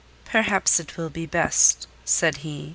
"Perhaps it will be best," said he.